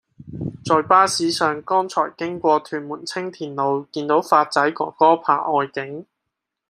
在巴士上剛才經過屯門青田路見到發仔哥哥拍外景